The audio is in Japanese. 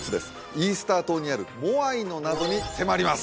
イースター島にあるモアイの謎に迫ります！